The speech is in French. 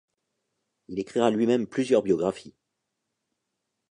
Il écrira lui-même plusieurs biographies.